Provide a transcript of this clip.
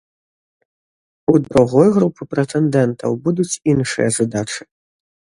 У другой групы прэтэндэнтаў будуць іншыя задачы.